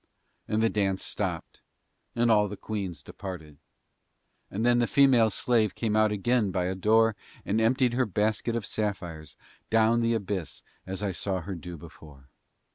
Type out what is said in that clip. And the dance stopped and all the queens departed. And then the female slave came out again by a door and emptied her basket of sapphires down the abyss as I saw her do before.